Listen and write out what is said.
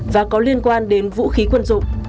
và có liên quan đến vũ khí quân dụng